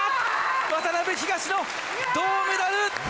渡辺・東野、銅メダル！